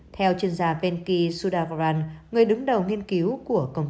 theo chuyên gia venki sudarvajal